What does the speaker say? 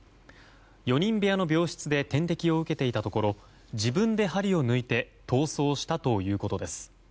４人部屋の病室で点滴を受けていたところ自分で針を抜いて逃走したということです。